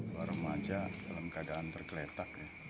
dua remaja dalam keadaan tergeletak